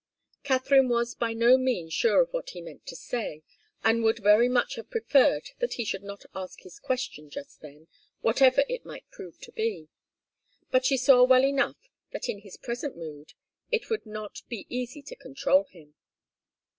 Katharine was by no means sure of what he meant to say, and would very much have preferred that he should not ask his question just then, whatever it might prove to be. But she saw well enough that in his present mood it would not be easy to control him.